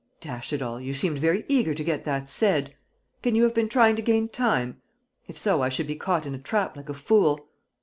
"Dash it all, you seemed very eager to get that said! Can you have been trying to gain time? If so, I should be caught in a trap like a fool.